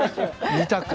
２択。